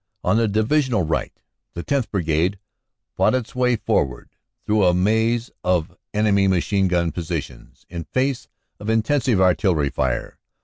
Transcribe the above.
On the Divisional right, the 10th. Brigade fought its way for ward through a maze of enemy machine gun positions, in face of intensive artillery fire.